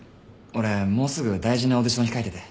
俺もうすぐ大事なオーディション控えてて。